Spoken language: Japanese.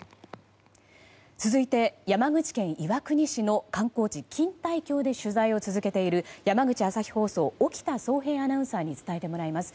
続いて、山口県岩国市の観光地錦帯橋で取材を続けている山口朝日放送沖田総平アナウンサーに伝えてもらいます。